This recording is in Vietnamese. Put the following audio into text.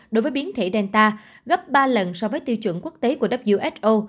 đối với biến thể delta gấp ba lần so với tiêu chuẩn quốc tế của who